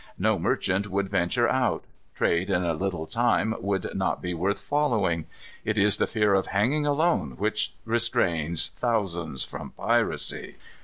No merchant would venture out. Trade in a little time would not be worth following. It is the fear of hanging alone which restrains thousands from piracy."